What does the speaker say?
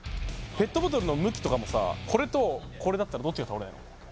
ペットボトルの向きとかもさこれとこれだったらどっちが倒れない？